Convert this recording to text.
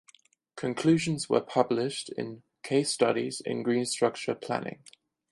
Conclusions were published in "Case studies in Greenstructure Planning".